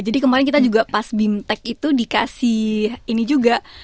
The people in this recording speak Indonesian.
jadi kemarin kita juga pas bimtek itu dikasih ini juga